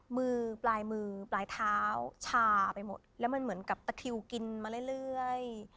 มือปลายมือปลายเท้าชาไปหมดแล้วมันเหมือนกับตะคิวกินมาเรื่อย